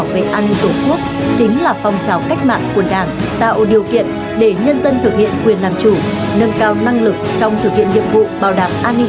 và phong trào toàn dân bảo vệ an ninh tổ quốc chính là phong trào cách mạng quân đảng